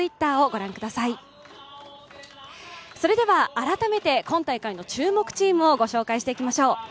それでは改めて今大会の注目チームを御紹介していきましょう。